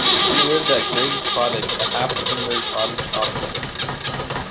He lived at Grigg's Cottage, a half-timbered cottage opposite.